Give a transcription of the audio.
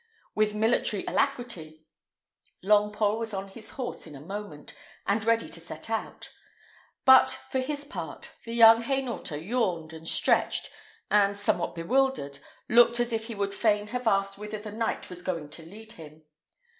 With military alacrity, Longpole was on his horse in a moment, and ready to set out; but for his part, the young Hainaulter yawned and stretched, and, somewhat bewildered, looked as if he would fain have asked whither the knight was going to lead him.